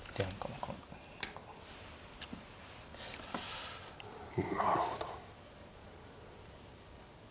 なるほど。